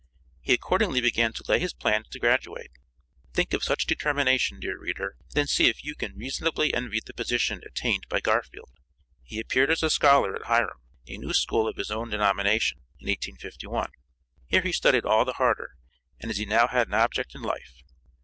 He accordingly began to lay his plans to graduate. Think of such determination, dear reader, and then see if you can reasonably envy the position attained by Garfield. He appeared as a scholar at Hiram, a new school of his own denomination, in 1851. Here he studied all the harder, as he now had an object in life.